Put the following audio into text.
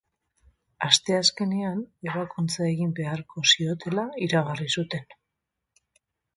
Asteazkenean ebakuntza egin beharko ziotela iragarri zuten.